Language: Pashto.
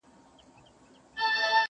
را ستنیږي به د وینو سېل وهلي٫